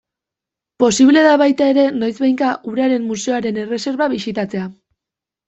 Posible da, baita ere, noiz behinka Uraren Museoaren erreserba bisitatzea.